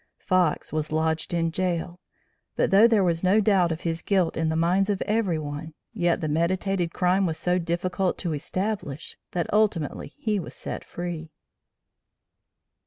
Fox was lodged in jail, but though there was no doubt of his guilt in the minds of every one, yet the meditated crime was so difficult to establish that ultimately he was set free.